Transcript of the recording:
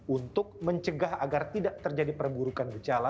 untuk mencegah agar tidak terjadi perburukan gejala